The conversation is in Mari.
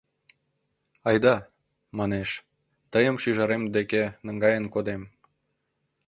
«Айда, — манеш, — тыйым шӱжарем деке наҥгаен кодем.